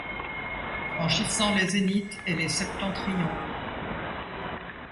Franchissant les zéniths et les septentrions ;